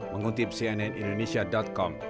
mengutip cnn indonesia com